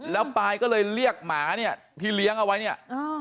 แล้วปายก็เลยเรียกหมาเนี่ยที่เลี้ยงเอาไว้เนี่ย